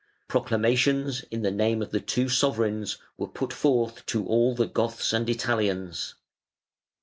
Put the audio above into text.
Proclamations in the name of the two new sovereigns were put forth to all the Goths and Italians.